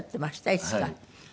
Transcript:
いつか。